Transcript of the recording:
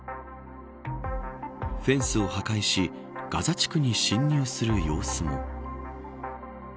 フェンスを破壊しガザ地区に侵入する様子も。